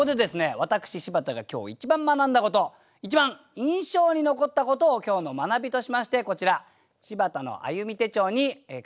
私柴田が今日一番学んだこと一番印象に残ったことを今日の学びとしましてこちら「柴田の歩み」手帳に書き記したので発表いたします。